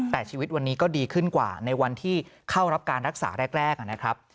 แต่ชีวิตวันนี้ก็ดีขึ้นกว่าในวันที่เข้ารับการรักษาแรกนะครับ